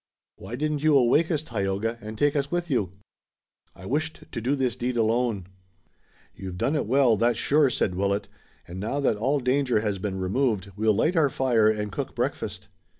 "Why didn't you awake us, Tayoga, and take us with you?" "I wished to do this deed alone." "You've done it well, that's sure," said Willet, "and now that all danger has been removed we'll light our fire and cook breakfast."